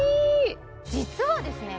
実はですね